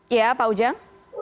iya pak ujang